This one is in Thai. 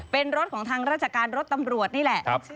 เป็นรถของทางราชการรถตำรวจนี่แหละ